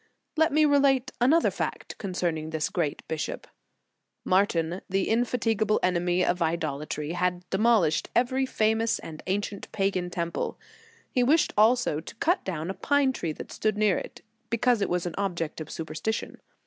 * Let me relate another fact concerning this great bishop. Martin, the indefatigable enemy of idolatry, had demolished a very famous and ancient pagan temple. He wished also to cut down a pine tree that stood near it, because it was an object of superstition.